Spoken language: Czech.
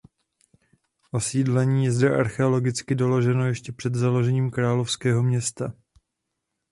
Osídlení je zde archeologicky doloženo ještě před založením královského města.